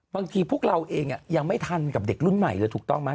พวกเราเองยังไม่ทันกับเด็กรุ่นใหม่เลยถูกต้องไหม